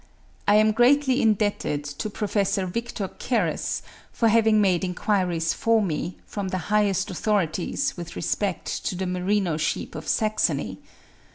I am greatly indebted to Prof. Victor Carus for having made enquiries for me, from the highest authorities, with respect to the merino sheep of Saxony.